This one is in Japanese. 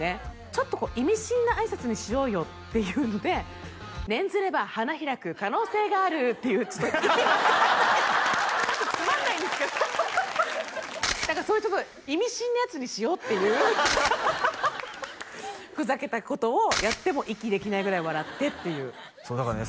ちょっと意味深なあいさつにしようよっていうのでっていうちょっと意味分かんないつまんないんですけどハハハハ何かそういうちょっと意味深なやつにしようっていうふざけたことをやって息できないぐらい笑ってっていうそうだからね